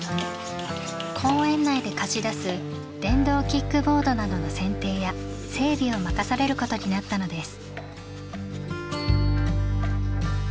公園内で貸し出す電動キックボードなどの選定や整備を任されることになったのです。